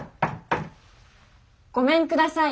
ごめんください。